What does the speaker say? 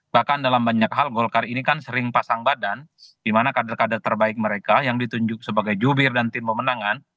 bahkan dalam banyak hal golkar ini kan sering pasang badan di mana kader kader terbaik mereka yang ditunjuk sebagai jubir dan tim pemenangan